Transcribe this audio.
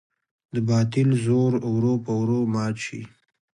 د باطل زور ورو په ورو مات شي.